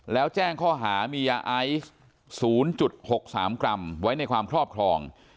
แล้วแจ้งข้อหามียาไอซ์๐๖๓กรัมไว้ในความครอบครอง